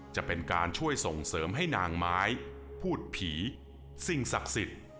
จะเป็นการช่วยส่งเสริมให้นางไม้พูดผีสิ่งศักดิ์สิทธิ์